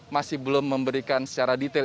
masih belum memberikan secara detail